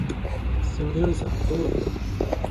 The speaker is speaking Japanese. それよりさ、どうだった？